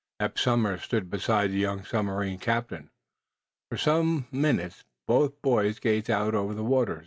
Eph Somers stood beside the young submarine captain. For some minutes both boys gazed out over the waters.